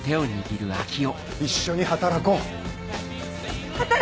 一緒に働こう！